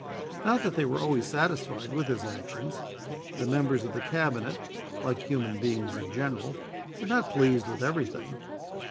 Not that they were always satisfied with his actions; the members of the Cabinet, like human beings in general, were not pleased with everything.